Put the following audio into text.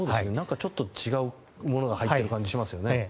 ちょっと違うものが入っている感じがしますよね。